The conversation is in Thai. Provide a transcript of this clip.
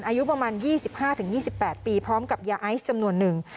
อายุประมาณ๒๕๒๘ปีพร้อมกับยาไอซ์จำนวนหนึ่ง